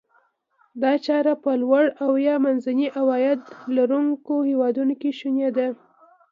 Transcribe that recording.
دا چاره په لوړ او یا منځني عاید لرونکو هیوادونو کې شوني ده.